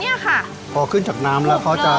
ไปดูกันค่ะว่าหน้าตาของเจ้าปาการังอ่อนนั้นจะเป็นแบบไหน